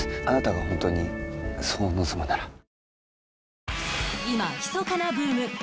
あなたが本当にそう望むなら。